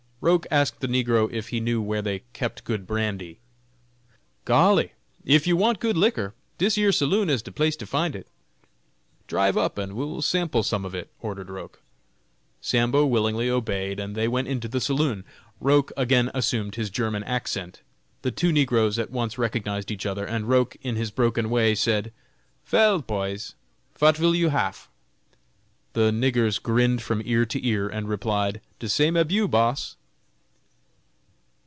Roch asked the negro if he knew where they kept good brandy. "Golly, ib you want good licker, dis yer sloon is de place to find it!" "Drive up, and we will sample some of it," ordered Roch. Sambo willingly obeyed, and they went into the saloon. Roch again assumed his German accent. The two negroes at once recognized each other, and Roch, in his broken way, said: "Vel, poys, vat vill you haf?" The niggers grinned from ear to ear, and replied: "De same ab you, boss."